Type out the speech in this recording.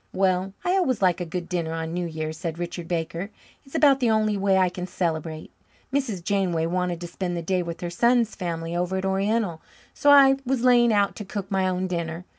"Well, I always like a good dinner on New Year's," said Richard Baker. "It's about the only way I can celebrate. Mrs. Janeway wanted to spend the day with her son's family over at Oriental, so I was laying out to cook my own dinner.